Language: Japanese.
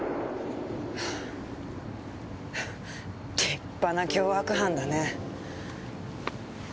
立派な凶悪犯だね。